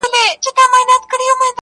پر ټولۍ باندي راغلی یې اجل دی -